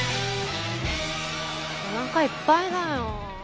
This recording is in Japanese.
おなかいっぱいだよ。